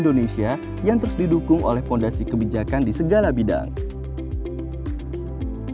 dan juga menunjukkan kebanyakan keuntungan dalam sistem indonesia yang terus didukung oleh fondasi kebijakan di segala bidang